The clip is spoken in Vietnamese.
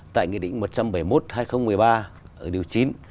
tại nghị định một trăm bảy mươi một hai nghìn một mươi ba ở điều chín